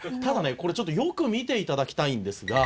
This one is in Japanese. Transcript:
これちょっとよく見て頂きたいんですが。